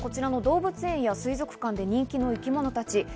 動物園や水族館で人気の生き物たち。